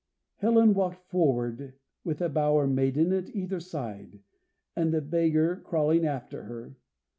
Helen walked forward, with a bower maiden at either side, and the beggar crawling after her.